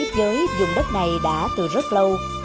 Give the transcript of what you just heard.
với dùng đất này đã từ rất lâu